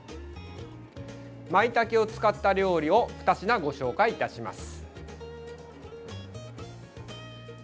まいたけを使った料理を２品ご紹介いたします。